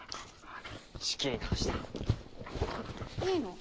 仕切り直しだいいの？